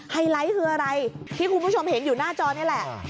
ไฮไลท์คืออะไรที่คุณผู้ชมเห็นอยู่หน้าจอนี่แหละ